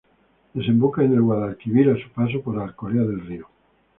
Desemboca en el Guadalquivir, a su paso por Alcolea del Río.